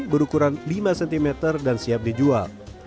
berukuran lima cm dan siap dijual